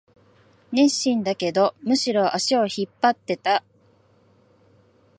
熱心だけど、むしろ足を引っ張ってた